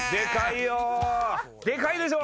でかいでしょ。